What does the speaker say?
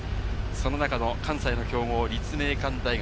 その中の関西の強豪・立命館大学。